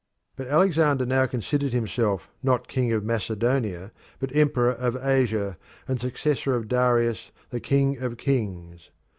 But Alexander now considered himself not king of Macedonia but emperor of Asia, and successor of Darius, the King of Kings.